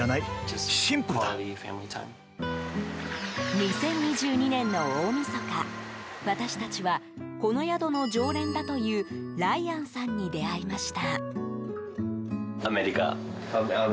２０２２年の大みそか私たちは、この宿の常連だというライアンさんに出会いました。